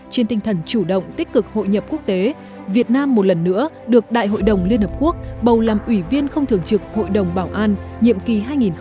trên tinh thần chủ động tích cực hội nhập quốc tế việt nam một lần nữa được đại hội đồng liên hợp quốc bầu làm ủy viên không thường trực hội đồng bảo an nhiệm kỳ hai nghìn hai mươi hai nghìn hai mươi một